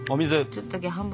ちょっとだけ半分。